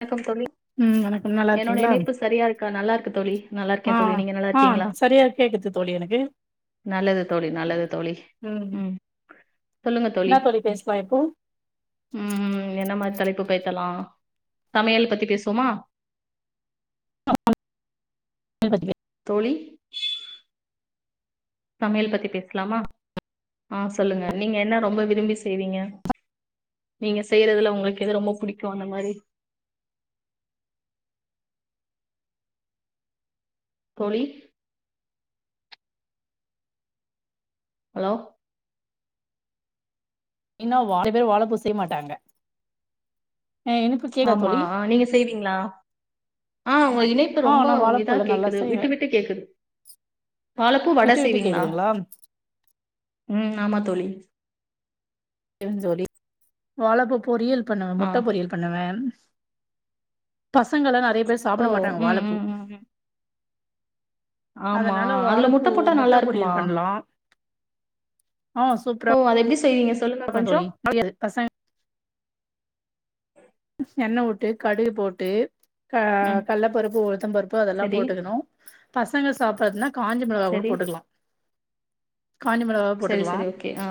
வணக்கம் தோழி உம் வணக்கம் நல்லா இருக்கீங்களா கா நல்லா இருக்கு தோழி நல்லா ஆ இருக்கேன் தோழி நீங்க நல்லா ஆ இருக்கீங்களா சரியா கேக்குது தோழி எனக்கு நல்லது தோழி நல்லது தோழி ம் உம் சொல்லுங்க தோழி என்னா பேசலா இப்போ உம் என்ன மாதிரி தலைப்பு [unintelligible] பேசலா சமையல் பத்தி பேசுவோமா [inaudible] தோழி சமையல் பத்தி பேசலாமா ஆஹ் சொல்லுங்க நீங்க என்ன ரொம்ப விரும்பி செய்வீங்க நீங்க செய்யறதுல உங்களுக்கு எது ரொம்ப பிடிக்கும் அந்த மாரி தோழி ஹலோ இன்னா [unintelligible] வாலப்பூ செய்ய மாட்டாங்க ஆ எனக்கு கேக்குதா ஆமா தோழி நீங்க செய்வீங்களா ஆஹ் உங்க இணைப்ப ஆ ரொம்ப நா இதா வாழப்பூல நல்லா கேக்குது செய்வே விட்டு விட்டு கேக்குது வாழப்பூ வட விட்டு விட்டு செய்வீங்களா கேக்குதுங்களா உம் ஆமா தோழி தோழி வாழபூ பொரியல் பண்ணுவ ஆ முட்ட பொரியல் பண்ணுவே பாஸ் பசங்களா நிறைய பேர் ஓ சாப்பிட மாட்டாங்க ம் வாழைப்பூ ம் ம் ம் ஆமா அதுல முட்ட போட்டா நல்லா பொரியல் இருக்குமா பண்லா ஓ அது எப்படி செய்வீங்க சொல்லுங்க ஆமா தோழி கொஞ்சம்? முடியாது பசங் எண்ணெ விட்டு கடுகு போட்டு அஹ் ம். கல்லப்பருப்பு உளுத்தம் பருப்பு அதெல்லாம் சரி, போட்டுக்கணும் பசங்க சாப்பாடுனா காஞ்ச மிளகா கூட சரி. போட்டுக்கலா காஞ்ச மிளகா சரி, போட்டுக்கலா சரி. ஓகே. ஆ.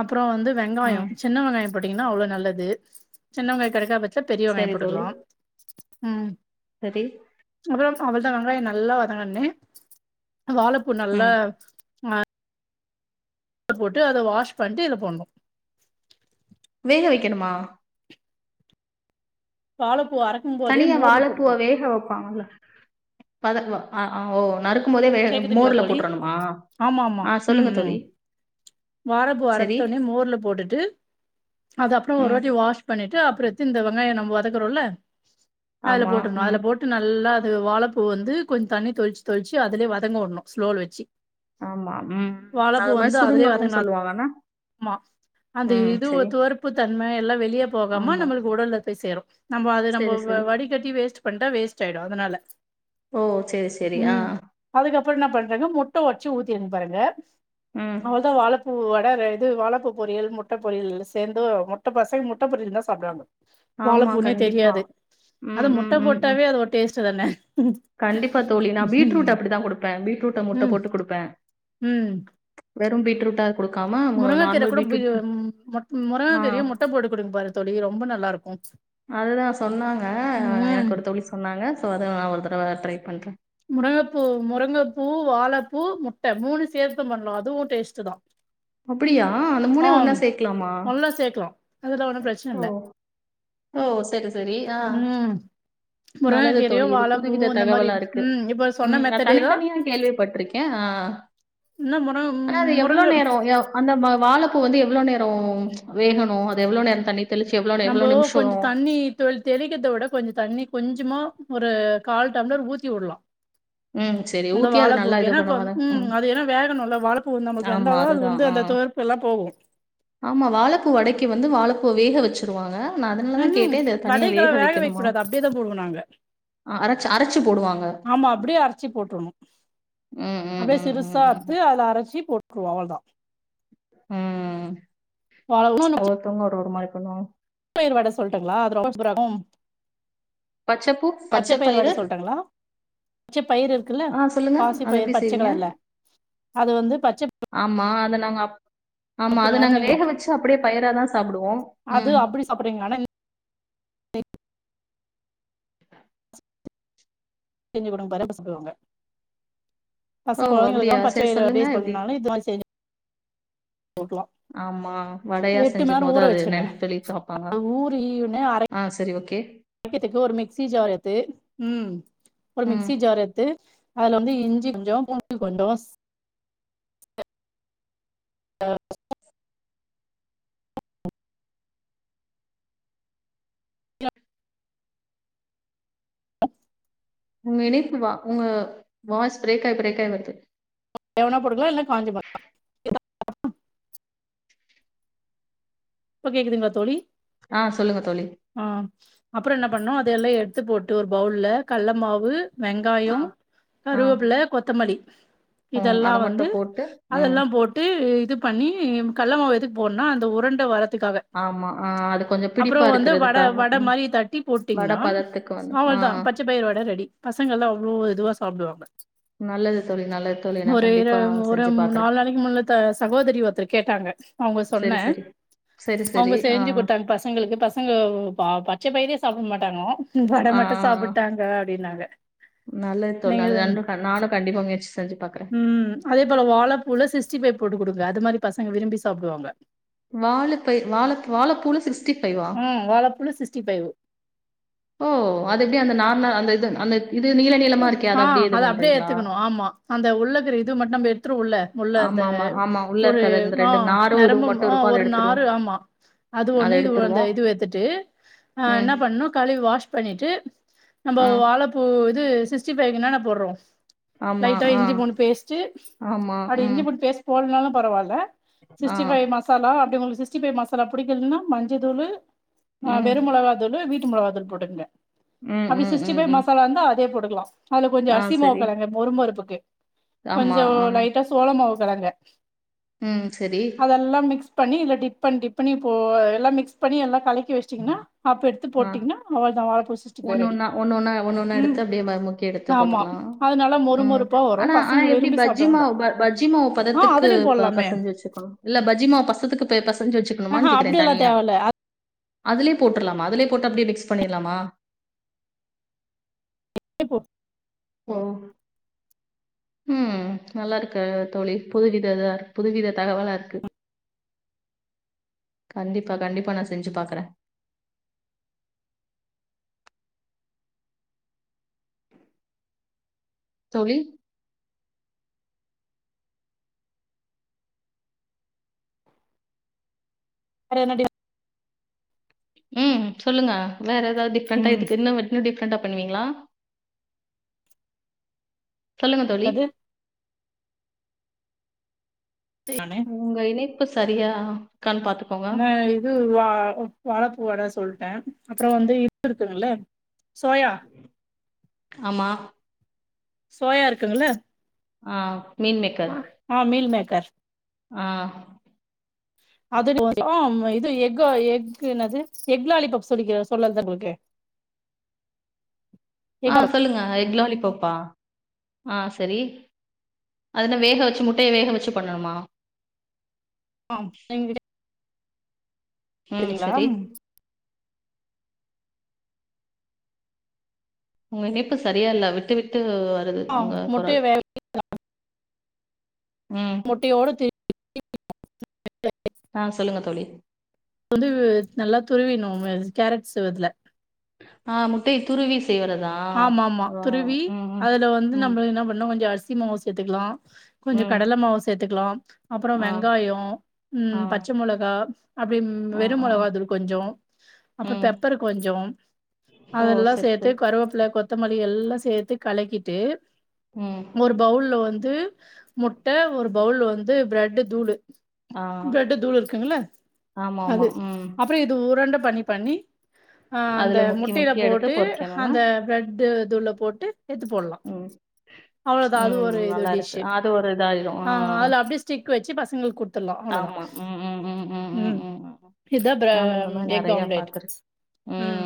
அப்புறம் வந்து வெங்காய ம். சின்ன வெங்காய போட்டிங்னா அவ்ள நல்லது சின்ன வெங்கா கெடைக்கா பச் ச பெரிய வெங்காய போட்டுக்கலா ம் செரி ஒரு நிம்ஷ அவ்ளதா வெங்காய நல்லா வதங்கண்ணே வாழப்பூ நல்லா ம். ஆ போட்டு அத வாஷ் பண்ட்டு இத போடணு வேக வெக்கணுமா வாழப் தனியா வாழப்பூவ வேக வெப்பாங்கல்ல பூவ ஆ அ ஓ நறு கேக்குதுங்ளா தோழி ஆமாமா ஆ ம் சொல்லுங்க ம் தோழி. வாழப்பூ சரி. அரத்தோனே மோர்ல போட்டுட்டு அத அப்புற ஒரு ம். வாட்டி வாஷ் பண்ணிட்டு அப்புற எத்து இந்த வெங்காய நம்ம வதக்குறோல்ல அதுல ஆமா. போட்ரணு அதுல ம். போட்டு நல்லா அது வாழப்பூ வந்து கொஞ்ச தண்ணி தொளிச்சு தொளிச்சி அது லயே வதங்க விடணு ஸ்லோல வெச்சு ஆமா. ம். வாழப்பு அது மாரி வந்து அதுலயே சுருங்கணும்னு வதங்கின சொல்லுவாங்க என்ன? மா அந்த ம். இது சரி. துவரப்பு தன்ம எல்லா வெளிய போகாம ஆமா. நம்மளுக்கு உடல்ல போய் சேரும் நம்ம அது நம்ம சரி, சரி. வடிகட்டி வேஸ்ட் பண்டா வேஸ்ட் ஆயிடும் அதனால ஓ சரி சரி ஆ அதுக்கப்பறம் என்ன பண்றாங்க முட்ட ஓடச்சி ஊத்திர் பாருங்க ம். அவளோதா வாழப்பூ வ வேற இது வாழப்பூ பொரியல் முட்ட பொரியல் எல்லா சேர்ந்து முட்ட பச முட்ட பொரியல் தா சாப்பிடாங்க ஆமா. வாழப்பூனே கண்டிப்பா. தெரியாது ம், அது முட்ட ம், ம், ம். போட்டாவே அது ஒரு டேஸ்ட் சோ தான கண்டிப்பா தோழி நா வீட் பீட்ரூட் அப்படிதா குடுப்பே பீட்ரூட்ட ம் முட்ட ம் போட்டு குடுப்பே வெறும் பீட்ருட்டா முருங்ககீர கூட பீ ம் ஆ முருங்ககீர முட்ட போட்டு குடுங்கபாருங்க தோழி ரொம்ப நல்லா இருக்கு அதுதா சொன்னாங்க ம் எனக்கு ஒரு தோழி சொன்னாங்க சோ அது பிறவ ட்ரை பண்றே முருங்கப்பூ முருங்கைப்பூ வாழப்பூ முட்ட மூணு சேர்த்தும் பண்ணலா அதுவும் டேஸ்டு தா அப்டியா அந்த மூனையு ஒன்னா ஆம் சேக்கலாமா நல்லா சேக்கலா அதுல ஒன்னு பிரச்சன ஓ இல்ல ஓ சரி சரி ஆ ம் நல்லது முருங்கக்கீரையு தோழி இது வாழப்பூவு வித இந்த மாரி தகவலா இருக்கு ம் இப்ப சொன்ன ம் நா மெத்தடே தா தனித்தனியா கேள்விப்பட்டிருக்கே ஆ இன்னு முரு ஆன அது எவ்ளோ முருங்க நேரம் அந்த ம வாழ பூ வந்து எவ்ளோ நேரம் வேகணும் அத எவ்ளோ நேரம் தண்ணி தெளிச்சு எவ்ளோ எவளோ நம்போ நிம்ஷம் கொஞ்ச தண்ணி தொளி தெளிக்கிறதவிட கொஞ்ச தண்ணி கொஞ்சமா நிச்சமா ஒரு கால் டம்ளர் ஊத்தி வுடலாம் ம் சேரி ஊத்தி அது நல்லா இது கொ பண்ணுவாதே ம் அது ஏன்னா வேகணுல்ல வாழப்பூ நமக்கு ஆமா வெந்தாதா அது அதுதா வந்து ஆ அந்த துவர்ப்பு எல்லா போகு ஆமா வாழப் பூ வடைக்கு வந்து வாழ ப்பூ வேக வச்சிருவாங்க ம்ஹூம் வடைக்கெல்லாம் வேக வைக்கக்கூடாது அப்டியேதா போடுவோ நாங்க அ அரைச்சு அரைச்சு போடுவாங்க. ஆமா அப்டியே அர சி போட்ரனும் ம், ம், அப்டியே ம், ம், சிறுசா ம். அத்து அதுல அரச் ரச்சி போட்டுருவோம் அவ்ளதா ம் ஒவ்வொருத்தங்க ஒரு ஒருமாறி பண்ணுவாங்க பயிறு வட சொல்லட்டுங்களா அது ரொம்ப சூப்பராருக்கும் பச்சப்பூ, பச்சை பயிர் வட பயிறு சொல்ட்டுங்களா பச்சை பயிர் இருக்குல்ல ஆ சொல்லுங்க. பாசி அத பயிர் எப்டி பச்சை செய்வீங்க? கலர்ல அது வந்து பச்சை து நாங்க ஆமா அது நாங்க வேக வச்சு அப்படியே பயிராதா சாப்பிடுவோம் அது ம் அப்டி சாப்புட்றீங்க ஆனா செஞ்சு குடுங்க [unintelligible] ஓ! பசங் அப்படியா? கொழந்தைகளுக்கல்லா பச்ச சரி பயிறு சொல்லுங்க அப்டியே எப்படி? சொல்லனாலு இது மாரி செஞ்சி டோட்டலா ஆமா. வடையா எட்டு மணி நேரம் செஞ்சம்போது ஊற அது வச்சிருங்க என்னன்னு சொல்லி பாப்பாங்க. ஊறினு ஆ சரி ஓகே. அரைக்கத்துக்கு ஒரு மிக்சி ஜார் எடுத்து ஒரு ம். மிக்சி ஜார் எடுத்து அதுல வந்து இஞ்சி கொஞ்சோ பூண்டு கொஞ்சோ ஆ உங்க இணைப்பு வா உங்க வாஸ் பிரேகாய் பிரேகாய் வருது தேவனா போட்டுக்கலா இல்லனா காஞ்ச மொளகா இப்ப கேக்குதுங்களா தோழி ஆ சொல்லுங்க தோழி ஆ அப்றோ என்ன ப பண்ணு அதெல்லா எடுத்து போட்டு ஒரு பவுல்ல கல்ல மாவு ஆ வெங்காயம் ஆ கருவேப்பிலை கொத்தமல்லி ம் இதெல்லா அத வந்து மட்டும் போட்டு ம் அதெல்லாம் போட்டு இது பண்ணி கல்லமாவு எதுக்கு போட்டுனா அந்த உருண்ட வரத் த்துகாவ ஆமா ஆ அது கொஞ்சம் அப்பறோ பிடிப்பா வந்து வடை இருக்கிறதுக்காக வடை ம் மாரி தட்டி வட போட்டீங்கன்னா பதத்துக்கு வந்து ஆ அவ்வளதா பச்சை பயிர் வடை ரெடி பசங்கள்ல்லாம் அவ்ளோ இதுவா சாப்டுவாங்க நல்லது தோழி நல்லது தோழி நான் ஒரு இரு கண்டிப்பா ஒரு செஞ்சு பாக்குறேன் நாலு நாளைக்கு முன்னுக்க சகோதரி வந்துருங்கே அவங்க சரி சொன்னன் சரி சரி சரி அவங்க ஆ செஞ்சு கொடுத்தாங்க பசங்களுக்கு பசங்க பச்சை பயிரே சாப்பிட மாட்டாங்க வட ஆ மட்டும் சாப்புட்டாங்க ங்னாக நல்லது தோழி நீங்க நல்லது ம் ரெண்டும் க- நானும் கண்டிப்பா முயற்சி செஞ்சு பாக்குறேன் ம் அதே போல வாழைப்பூல சிஸ்டி பைவ் போட்டு கொடு அது மாரி பசங்க விரும்பி சாப்புடுவாங்க வாழை பைர் வாழ வாழைப்பூல சிஸ்டி ஃபைவா ம் வாழப்பூல சிக்ஸ்டி ஃபைவ் ஓ அது எப்டி அந்த நார் நார் அந்த இது அந்த இ ஆஹ் அது அப்டியே ஏத்துக்கணும் ஆமா அந்த உள்ளக்கிற இது மட்டும் நம்ம எடுத்துரவோள உள்ள அந்த ஆமா ஆமா ஆமா உள்ள ஒரு இருக்காது இந்த ரெண்டு ஆஹ் நாரும் இதுவும் நரம்பும் மட்டும் ஆஹ் இருக்கும் அத ஒரு நாறு எடுத்துருவோம் ஆமா அது அத ஒண்ணு இது அந்த எடுத்துருவோம் இது எத்துட்டு ஆஹ் ம் என்ன பண்ணனும் களி வாஷ் பண்ணிட்டு நம்ப ஆ வாழைப்பூ து சிஸ்டி பைக்கு என்னன்ன போட்றோம் ஆமா லைட்டா ஆ இஞ்சி பூண்டு பேஸ்ட்டு ஆமா அப்டி ம் இஞ்சி பூண்டு பேஸ்ட் போலனாலு பரவால்ல ஆ சிஸ்டி பைவ் மசாலா அப்டி ங் சிக்ஸ்டி பை மசாலா பிடிக்கலன்னா மஞ்ச தூளு ஆஹ் ம் வெறுமோளவாதுலு வீட் றும் மிளகாய் தூள் போட்டுங்க ம் அப்டி ம் சிக்ஸ்டி ம் பைவ் ம் மசாலா வந்த அதே போடுங்க அது கொஞ்சோம் ஆ அரிசி மாவு சரி கிழங்க மொறுமொறுப்புக்கு ஆமா கொஞ்சோம் லைட்டா சோளமாவு கலங்க உம் செரி அதெல்லா மிக்ஸ் பண்ணி இதுல டிப் டிப் பண்ணி இ எல்லாம் மிகஸ் பண்ணி எல்லாம் கலக க்கி வச்சிட்டீங்கன்னா அப்ப எடுத்து ஆ போட்டீங்கன்னா அவ்ள தா வாழ பூ சிக்ஸ்டி பைய் ஒண்ணு ரெடி ஒண்ணா ஒண்ணு ஒண்ணா ஒண்ணு ஒண்ணா எடுத்து அப்படியே ம முக்கி எடுத்து ஆமா போட்டுலாம் அது நல்லா மொறு உஹம் மொறுப்பா வரு ஆனா ஆனா பசங்க எப்டி விரும்பி பஜ்ஜி சாப்டுவாங்க மாவு பஜ்ஜி மாவு ஆ பதத்துக்கு அதுலயு போடலாமே பிசஞ்சு வச்சுக்கணும் இல்ல பஜ்ஜி மாவு பதத்துக்கு பிசஞ்சு வச்சுக்கணுமா ஆஹா அப்டியெல்லா தனியா தேவல்ல அதிலே போட்டர்லாமா அதிலே போட்டு அப்டியே மிக்ஸ் பண்ணிடலாமா ஓ உஹம் நல்லா இருக்க தோழி புதுவித புதுவித தகவலா இருக்கு கண்டிப்பா கண்டிப்பா நான் செஞ்சு பாக்குறேன் தோழி வேற என்னடி உம் சொல்லுங்க வேற ஏதாவது டிஃபரண்டா ம் இதுன்னு டிக் சேட்ட பண்ணுவீங்களா சொல்லுங்க தோழி அது நானு உங்க இணைப் பு சரியா பார்த்துக்கோங்க. நா இது வா வாழப்பூ வட சுட் மே அப்ற வந்து இது இருக்குங்கல்ல சோயா ஆமா சோயா இருக்குங்கள ஆ மீல் அ அ மீல் மேக்கர் அ அது [unintelligible] ம் இது எக்கு எக்கு என்னது எக் லாலிபப் சொல்லிக்க சொல் [unintelligible] அ சொல்லுங்க எக் லாலிப பப்பா அ செரி அதென வேக வெச்சு முட்டய வேக வெச்சு பண்ணணுமா [unintelligible] ம் செரிங்ளா சரி. உங்க இணைப்பு சரியா இல்ல விட்டு விட் டு வருது ஆ உங்க குரல் முட்டைய வேக ம் [inaudible] ஆ சொல்லுங்க தோழி. வந்து நல்லா துருவின்னு [unintelligible] கேரட் சீவற்துல அ முட்டய துருவி செய்வறதா? ஆமா ஆமா ஆ. துருவி ம், ம். அதுல வந்து ம், நம்ப என்ன பண்ணு கொஞ்சோ அரிசி மாவு சேத்துக்லா. கொஞ்சோ ம். கடல மாவு சேத்துக்லா அப்பறோ ஆ, வெங்காயோ ஆ, ம் பச்ச மொளகா அப்டி ம் ஆ, வெரு ஆ, ஆ. மொளகா தூள் கொஞ்சோ அப்ற ம். பெப்பரு கொஞ்சோ ஓ! அதெல்லா சரி, சரி. சேத்து கருவேப் கொத்தமல்லி எல்லா சேத்து கலக்கிட்டு ம் ஒரு பவுள்ள வந் து முட்ட ஒரு பவுல் வந்து ப்ரெட்டு தூளு ஆ ப்ரெட்டு தூளு இருக்குங்கள ஆமா ஆமா அது ம் அப்றோ இது உரண்ட பண்ணி பண்ணி ஆஹ் அந்த அதுல முக்கி முட்டையில முக்கி எடுத்து போட்டு பொறிக்கணும்னா அந்த ட்டு தூள போட்டு சேத்து போட்லா ம் அவ்ளோதா அது ஒரு ம் இது நல்லா டிஷ் இருக்கு அது ஒரு இதாயிரு ஆ ஆஹ் அதுல அப்டியே ஸ்டிக் வச்சு பசங்களுக்கு கொடுத்துட்லா அவ்ளோதா ஆமா ம் ம் ம் ம் உம் ம் ம் இதுதா ப்ரெ நானு இந்த மாரி எக் நெறைய ஆம்லேட் உம்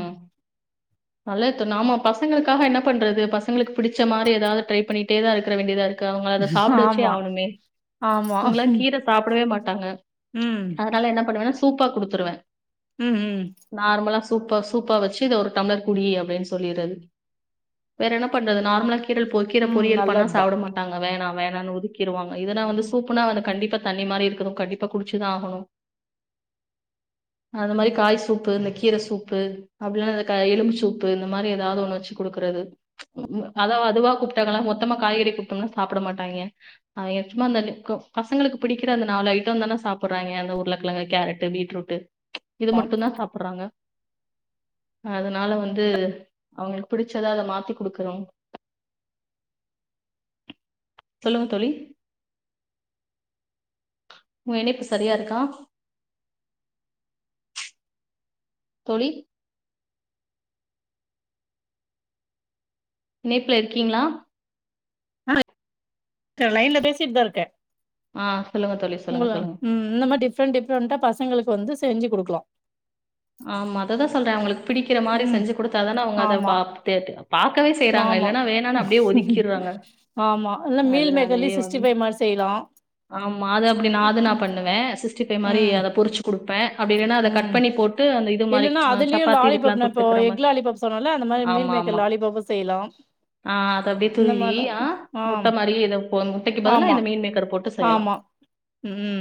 நல்லது தின்னாம பசங்களுக்காக என்ன பண்றது பச எங்களுக்கு புடிச்ச மாரி ஏதாது ட்ரை பண்ணிட்டே தா இருக்குற வேண்டியதா இருக் கு அவங்கள அத சாப்பிட வச்சே ஆமா ஆவணுமே ஆமா உங்களா கீர சாப்பிடவே மாட் தாங்க அதனால என்ன பண்ணுவேனா? சூப்பா குடுத்துருவே. உம் உம் நார்மலா சூப்பா சூப்பா வச்சு இத ஒரு டம்ளர் குடி அப்படின்னு சொல்லிரது வேற என்ன பண்றது நார்மலா கீர பொ கீர ம் பொறியல் பண்ணா நல்லதுதா சாப்பிட மாட்டாங்க வேணா வேணானு ஒதுக்கிருவாங்க இதனா வந்து சூப்புனா வந்து கண்டிப்பா தண்ணி மாரி இருக்கணு கண்டிப்பா குடிச்சுதா ஆகணு அது மாரி காய் சூப்பு இந்த கீரை சூப்பு அப்படிலனா இந்த க எலும்பு சூப்பு இந்த மாரி ஏதாவது ஒண்ணு வச்சு குடுக்குறது அதா அதுவா கூப்பிட்டாங்கல்லா மொத்தமா காய்கறி குடுத்தோம்னா சாப்பிட மாட்டாங்க அவிய சும்மா அந்த க பசங்களுக்கு பிடிக்கிற அந்த நாலு ஐட்டோ தான சாப்பிடுறாங்க அந்த உருளைக்கிழங்கு கேரட்டு பீட்ரூட்டு இது மட்டுந்தா சாப்புடுறாங்க. அதனால வந்து அவங்களுக்கு பிடிச்சதா அத மாத்தி குடுக்குறோ சொல்லுங்க தோழி உங்க இணைப்பு சரியா இருக்கா? தோழி இணைப்புல இருக்கீங்களா? ஆஹ் லைன்ல பேசிட்டுதா இருக்கே. ஆ சொல்லுங்க தோழி உங்கள சொல்லுங்க சொல்லுங்க. உம் இந்த மாரி டிஃப்ரெண்ட் டிஃப்ரெண்டா பசங்களுக் வந்து செஞ்சு கொடுக்கலா. ஆமா அததா சொல்றே அவங்களுக் பிடிக்கற மாரி ம் செஞ்சு குடுத்தா தானே அவங்க அத ஆமா பாத் தேத் பாக்கவே செய்யறாங்க ஆமா இல்லேன்னா வேணான்னா அப்டியே ஒதுக்கிறாங்க ஆமா இல்ல மீல் மேக்கர்லயே அதனாலயே சிக்ஸ்டி வந் ஃபைவ் மாரி செய்யலா ஆமா அது அப்டி நா அது நா பண்ணுவேன் சிஸ் சிக்ஸ்டிஃப்வைவ் மாரி ம் அத பொரிச்சுகுடுத் பே அப்டில்லனா அத கட் ம் பண்ணி போட் த்து அந்த இது மாரி இல்லன்னா அஹ் அதுலயு சப்பாத்தி லாலிபப் இதுக்கலாம் நா இப்போ தொட்டுக்ரமா எக் லாலிபப் சொன்னல அந்த மாரி ஆமா மீல் ஆமா மேக்கர் லாலிபப்பு செய்யலா ஆஹ் அது அப்டியே இந்த துருவி மாரிலா அஹ் முட்ட ஆம் மாரி இதப்பொலந் முட்டைக்கு பதில ஆமா இந்த மீல் மேக்கர் போட்டு செய்லாம்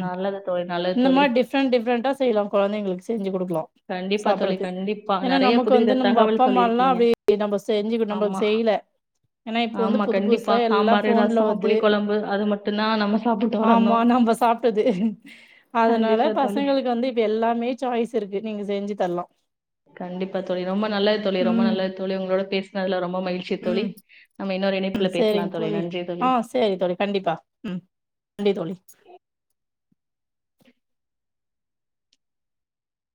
ஆஹ் நல்லது தோழி நல்லது தோழி. இந்தமாரி டிஃப்ரெண்ட் டிஃப்ரெண்டா செய்லாம் கெழந்தைங்களு சொய்ஞ்சு கொடுத் கொடுக்லாம் கண்டிப்பா தோழி சாப்பட்றது கண்டிப்பா. ஏன்னா நெறைய நமக்கு வந்து புதுவித நம்ம தகவல் அப்பாம்மல்லாம் சொல்லியிருக்கீங்க. அப்டியே நம்ம செய்ஞ்சு நமக்கு ஆமா. செய்யல ஏன்னா இப்ப வந்து ஆமா புதுப் கண்டிப்பா. புதுசா எல்லா சாம்பாரு, போன்ல ரசம், வர்து புளிக்குழம்பு அது மட்டும்தான் நம்ம சாப்பிட்டு ஆமா வளர்ந்தோம். நம்ம சாப்ட்டது அதனால கண்டிப்பா தோழி. பசங்களுக்கு வந்து இப்ப எல்லாமே சாய்ஸ் இருக்கு நீங்க செஞ்சு தர்லா கண்டிப்பா தோழி ரொம்ப நல்லது தோழி ரொம்ப ம் நல்லது தோழி உங்களோட பேசனதுல்ல ரொம்ப மகிழ்ச் செர்த்தோழி உம் சரிங்க தோழி ஆஹ் சரி தோழி கண்டிப்பா உம் நன்றி தோழி